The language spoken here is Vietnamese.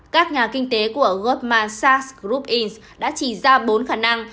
các nhà kinh tế của goldman sachs group inc đã chỉ ra bốn khả năng